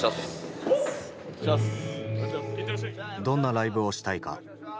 どんなライブをしたいか。